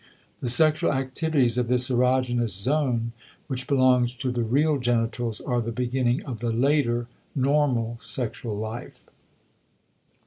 The sexual activities of this erogenous zone, which belongs to the real genitals, are the beginning of the later normal sexual life.